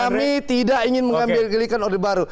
kami tidak ingin menggelikan orde baru